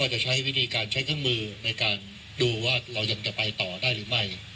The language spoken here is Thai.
จะใช้วิธีการใช้เครื่องมือในการดูว่าเรายังจะไปต่อได้หรือไม่